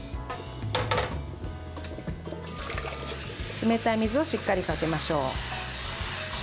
冷たい水をしっかりかけましょう。